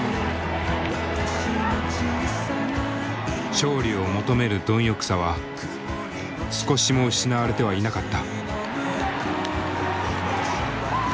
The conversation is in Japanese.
勝利を求める貪欲さは少しも失われてはいなかった。